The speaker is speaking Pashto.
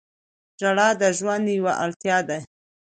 • ژړا د ژوند یوه اړتیا ده.